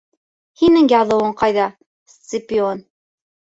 Һинең яҙыуың ҡайҙа, Сципион?